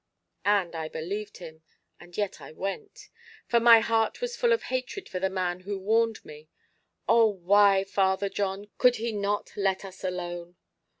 And I believed him, and yet I went; for my heart was full of hatred for the man who warned me. Oh! why, Father John, could he not let us alone.